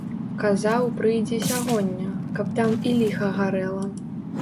Казаў, прыйдзе сягоння, каб там і ліха гарэла.